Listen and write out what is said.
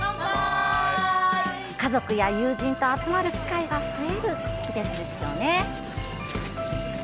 家族や友人と集まる機会が増える時期ですよね。